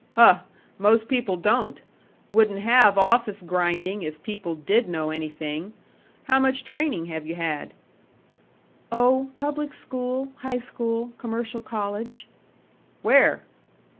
"Huh! Most people don't! Wouldn't have office grinding if people did know anything.... How much training have you had?" "Oh, public school, high school, commercial college." "Where?"